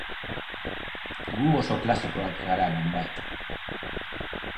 Gu oso klasikoak gara, nonbait.